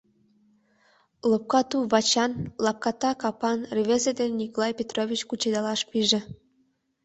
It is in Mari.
Лопка туп-вачан, лапката капан рвезе дене Николай Петрович кучедалаш пиже.